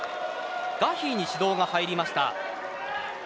ガヒーに指導が入りました。